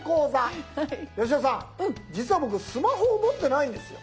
八代さん実は僕スマホを持ってないんですよ。